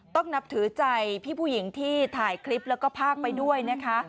นับถือใจพี่ผู้หญิงที่ถ่ายคลิปแล้วก็พากไปด้วยนะคะ